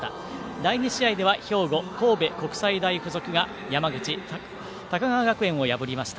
第２試合では兵庫・神戸国際大付属が山口・高川学園を破りました。